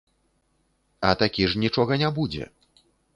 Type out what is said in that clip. А такі ж нічога не будзе.